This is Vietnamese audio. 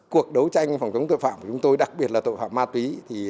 cuộc đấu tranh phòng chống tội phạm của chúng tôi đặc biệt là tội phạm ma túy